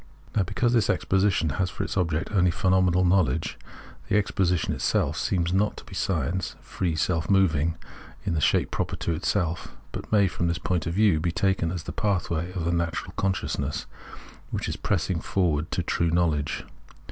Now because this exposition has for its object only phenomenal knowledge, the exposition itself seems not to be science, free, self moving in the shape proper to itself, but may, from this point of view, be taken as the pathway of the natural consciousness which is pressing forward to true knowledge.